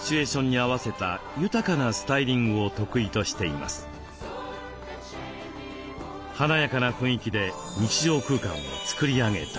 華やかな雰囲気で日常空間を作り上げたり。